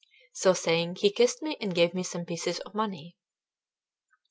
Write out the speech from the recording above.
So saying, he kissed me and gave me some pieces of money.